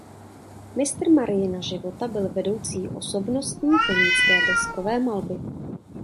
Mistr Mariina života byl vedoucí osobností kolínské deskové malby.